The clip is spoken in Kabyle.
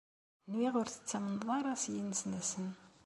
Nwiɣ ur tettamneḍ ara s yinesnasen.